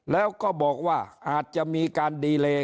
แล้วก็บอกว่าอาจจะมีการดีเล